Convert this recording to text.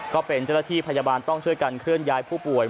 ก็เป็นเจ้าหน้าที่พยาบาลต้องช่วยกันเคลื่อนย้ายผู้ป่วย